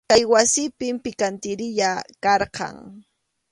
Kay wasipim pikantiriya karqan.